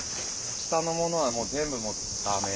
下のものはもう、全部もうだめ。